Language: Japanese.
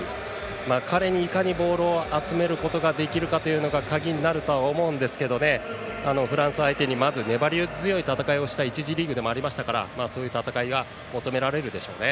彼にいかにボールを集めることができるかが鍵になると思うんですがフランス相手に粘り強い戦いをした１次リーグでもありましたからそういう戦いが求められるでしょうね。